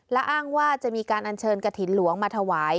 และอ้างว่าจะมีการอัญเชิญกระถิ่นหลวงมาถวาย